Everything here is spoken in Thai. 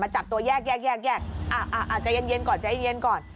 มาจัดตัวแยกอ่ะใจเย็นก่อนใจเย็นก่อน